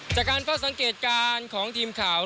จากการเฝ้าสังเกตการณ์ของทีมข่าว